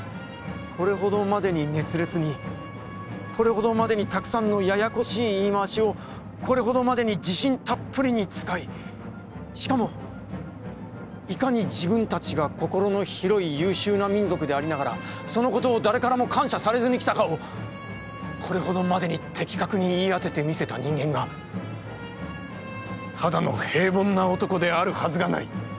これほどまでに熱烈に、これほどまでにたくさんのややこしい言い回しを、これほどまでに自信たっぷりに使い、しかもいかに自分たちが心の広い優秀な民族でありながら、そのことを誰からも感謝されずにきたかを、これほどまでに的確に言い当てて見せた人間が、ただの平凡な男であるはずがない」。